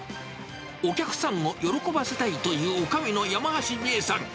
お客さんを喜ばせたいという、おかみの山橋美恵さん。